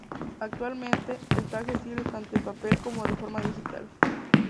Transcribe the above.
Actualmente está accesible tanto en papel como de forma digital.